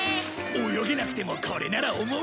泳げなくてもこれなら思う